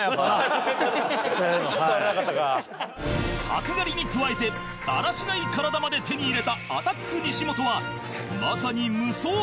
角刈りに加えてだらしない体まで手に入れたアタック西本はまさに無双状態